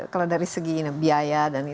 kalau dari segi biaya dan